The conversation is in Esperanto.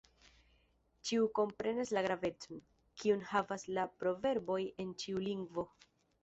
Ĉiu komprenas la gravecon, kiun havas la proverboj en ĉiu lingvo.